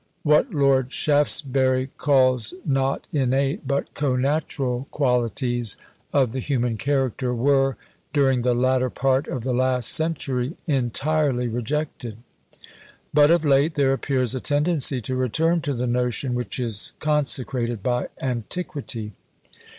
What Lord Shaftesbury calls not innate, but connatural qualities of the human character, were, during the latter part of the last century, entirely rejected; but of late there appears a tendency to return to the notion which is consecrated by antiquity.